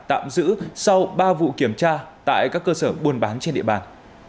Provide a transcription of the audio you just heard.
tạm giữ sau ba vụ kiểm tra tại các cơ sở buôn bán trên địa bàn